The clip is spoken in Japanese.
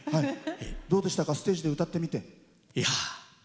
どうでしたかステージで歌ってみて。